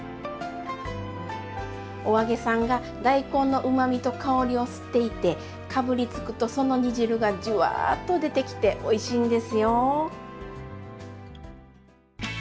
お揚げさんが大根のうまみと香りを吸っていてかぶりつくとその煮汁がジュワーッと出てきておいしいんですよ。